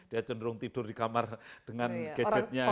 dia cenderung tidur di kamar dengan gadgetnya